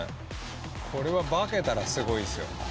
これは化けたらすごいですよ。